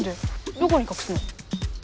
どこにかくすの？